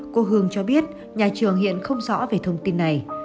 cô hương cho biết nhà trường hiện không rõ về thông tin này